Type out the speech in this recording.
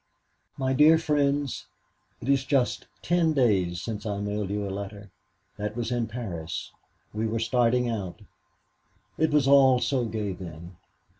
"My dear Folks: It is just ten days since I mailed you a letter. That was in Paris. We were starting out. It was all so gay then.